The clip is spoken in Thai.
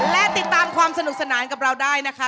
และติดตามความสนุกสนานกับเราได้นะคะ